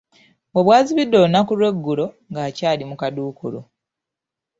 We bwazibidde olunaku lw'eggulo, ng'akyali mu kaduukulu.